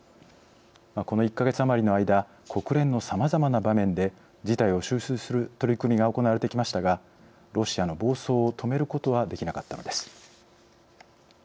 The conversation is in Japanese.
この１か月余りの間国連のさまざまな場面で事態を収拾する取り組みが行われてきましたがロシアの暴走を止めることはできなかったのです。